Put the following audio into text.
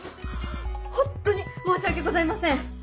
ホントに申し訳ございません！